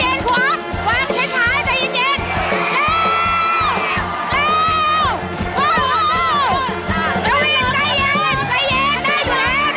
เอาตายไปเย็นระวัง